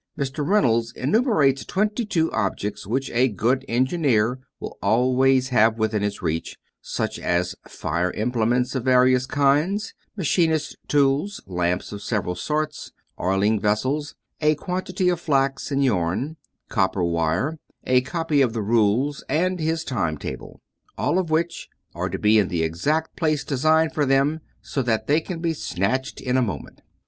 Mr. Reynolds enumerates twenty two objects which a good engineer will always have within his reach, such as fire implements of various kinds, machinist tools, lamps of several sorts, oiling vessels, a quantity of flax and yarn, copper wire, a copy of the rules and his time table; all of which, are to be in the exact place designed for them, so that they can be snatched in a moment.